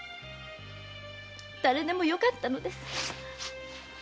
誰でもよかったのです。